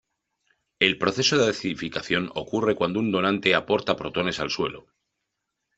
El proceso de acidificación ocurre cuando un donante aporta protones al suelo.